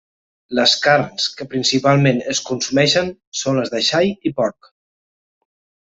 Les carns que principalment es consumeixen són les de xai i porc.